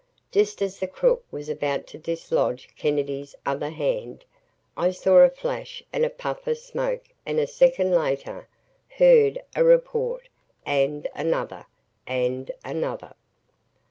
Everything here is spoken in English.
Just as the crook was about to dislodge Kennedy's other hand, I saw a flash and a puff of smoke and a second later, heard a report and another and another.